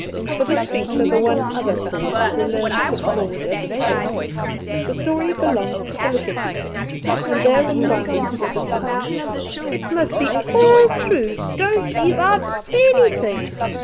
For this feature, the 'one other' cause is alone put forward as a defence. The story belongs to the Little People, and their requirements were defined "It must be all true! Don't leave out anything!"